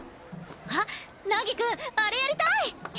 あっ凪くんあれやりたい！